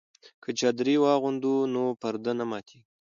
که چادري واغوندو نو پرده نه ماتیږي.